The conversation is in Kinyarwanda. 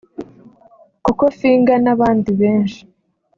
Coco Finger n’abandi benshi